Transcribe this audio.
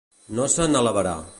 No se n'alabarà.